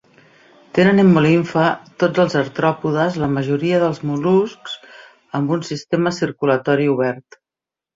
Tenen hemolimfa tots els artròpodes la majoria dels mol·luscs amb un sistema circulatori obert.